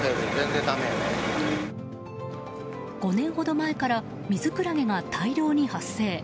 ５年ほど前からミズクラゲが大量に発生。